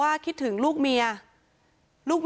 อาจจะเกินไปค่ะ